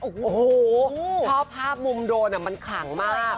โอ้โหชอบภาพมุมโดนมันขลังมาก